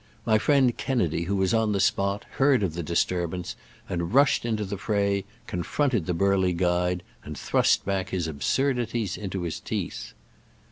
My friend Kennedy, who was on the spot, heard of the disturbance and rushed into the fray, confronted the burly guide and thrust back his absurdities into his teeth.